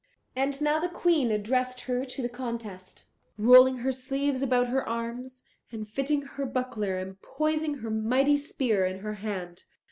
And now the Queen addressed her to the contest, rolling her sleeves about her arms, and fitting her buckler, and poising her mighty spear in her hand.